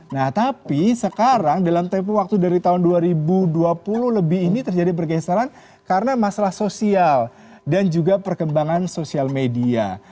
nah tapi sekarang dalam tempo waktu dari tahun dua ribu dua puluh lebih ini terjadi pergeseran karena masalah sosial dan juga perkembangan sosial media